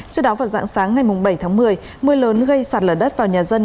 trước đó vào rạng sáng ngày bảy một mươi mưa lớn gây sạt lở đất vào nhà dân